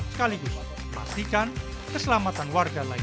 sekaligus memastikan keselamatan warga lain